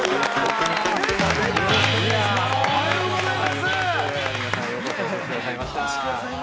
おはようございます。